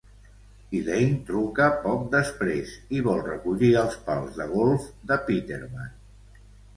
Elaine truca poc després i vol recollir els pals de golf de Peterman.